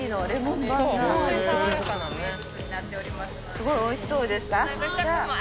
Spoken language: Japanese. すごいおいしそうです。